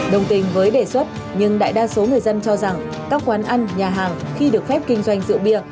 đồng tình với đề xuất nhưng đại đa số người dân cho rằng các quán ăn nhà hàng khi được phép kinh doanh rượu bia